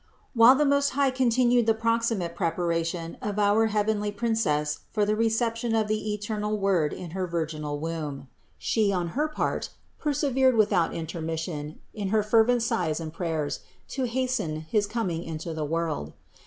59. While the Most High continued the proximate preparation of our heavenly Princess for the reception of the eternal Word in her virginal womb, She, on her part, persevered without intermission in her fervent sighs and prayers to hasten his coming into the world.